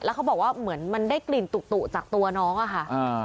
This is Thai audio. เขาบอกว่าเหมือนมันได้กลิ่นตุจากตัวน้องอะค่ะ